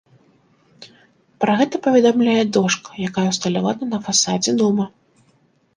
Пра гэта паведамляе дошка, якая ўсталявана на фасадзе дома.